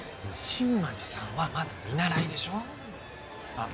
新町さんはまだ見習いでしょあっ